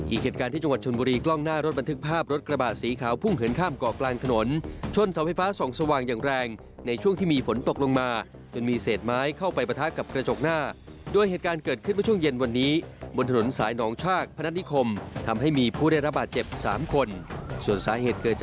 อีกเหตุการณ์ที่จังหวัดชนบุรีกล้องหน้ารถบันทึกภาพรถกระบะสีขาวพุ่งเหินข้ามเกาะกลางถนนชนเสาไฟฟ้าส่องสว่างอย่างแรงในช่วงที่มีฝนตกลงมาจนมีเศษไม้เข้าไปปะทะกับกระจกหน้าโดยเหตุการณ์เกิดขึ้นเมื่อช่วงเย็นวันนี้บนถนนสายหนองชากพนัฐนิคมทำให้มีผู้ได้รับบาดเจ็บ๓คนส่วนสาเหตุเกิด